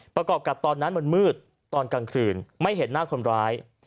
ประกอบกับตอนนั้นมันมืดตอนกลางคืนไม่เห็นหน้าคนร้าย